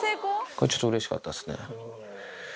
これ、ちょっとうれしかったですね。